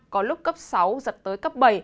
có lúc cấp sáu giật tới cấp bảy